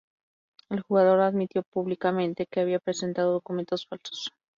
El jugador admitió públicamente que había presentado documentos falsos.